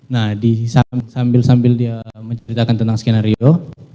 nah sambil sambil dia menceritakan tentang skenario